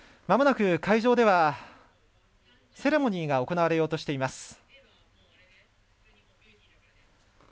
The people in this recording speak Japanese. まもなく会場ではセレモニーが行われようとしています。